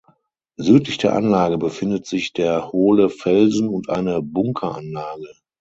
Südlich der Anlage befindet sich der Hohle Felsen und eine Bunkeranlage.